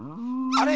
あれ？